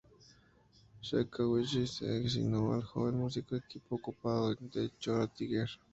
Sakaguchi asignó al joven músico al equipo ocupado de "Chrono Trigger".